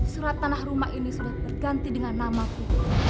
serat tanah rumah ini sudah terganti dengan namaku